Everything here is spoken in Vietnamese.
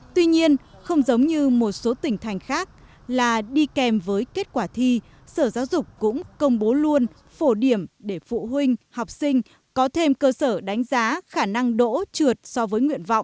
tuy nhiên không giống như một số tỉnh thành khác là đi kèm với kết quả thi sở giáo dục cũng công bố luôn phổ điểm để phụ huynh học sinh có thêm cơ sở đánh giá khả năng đỗ trượt so với nguyện vọng